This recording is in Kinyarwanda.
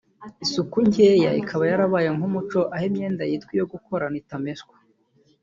isuku nkeya ikaba yarabaye nk’umuco aho imyenda yitwa iyo gukorana itameswa